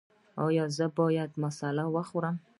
ایا زه باید مساله وخورم؟